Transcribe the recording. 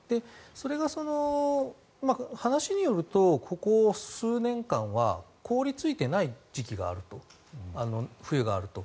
それが話によると、ここ数年間は凍りついていない時期、冬があると。